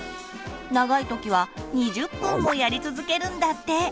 長いときは２０分もやり続けるんだって！